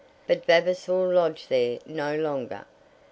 But Vavasor lodged there no longer.